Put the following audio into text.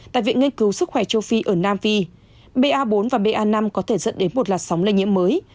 tại viện nghiên cứu sức khỏe châu phi ở nam phi ba bốn và ba năm có thể dẫn đến một làn sóng lây nhiễm mới